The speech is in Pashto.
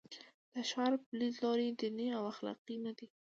د شارپ لیدلوری دیني او اخلاقي نه دی.